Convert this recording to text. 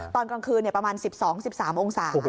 ตอนกลางคืนประมาณ๑๒๑๓องศา